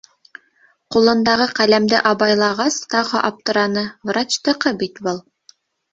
Ҡулындағы ҡәләмде абайлағас, тағы аптыраны: врачтыҡы бит был!